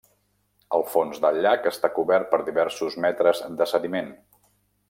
El fons del llac està cobert per diversos metres de sediment.